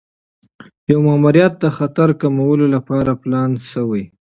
یو ماموریت د خطر کمولو لپاره پلان شوی.